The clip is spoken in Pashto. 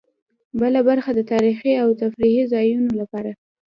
بله برخه د تاريخي او تفريحي ځایونو لپاره.